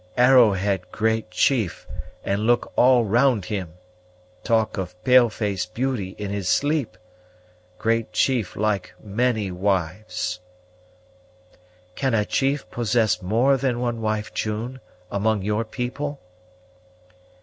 Arrowhead great chief, and look all round him. Talk of pale face beauty in his sleep. Great chief like many wives." "Can a chief possess more than one wife, June, among your people?"